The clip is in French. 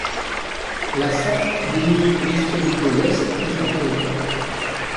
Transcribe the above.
La Sarthe délimite l’extrémité ouest de son territoire.